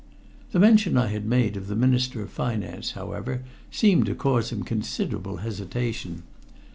The mention I had made of the Minister of Finance, however, seemed to cause him considerable hesitation.